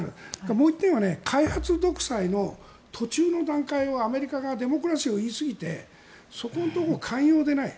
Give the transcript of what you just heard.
もう１点は開発独裁の途中の段階をアメリカがデモクラシーを入れすぎてそこのところを寛容でない。